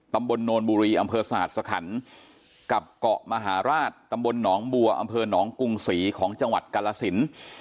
โนนบุรีอำเภอศาสตร์สคันกับเกาะมหาราชตำบลหนองบัวอำเภอหนองกรุงศรีของจังหวัดกาลสิน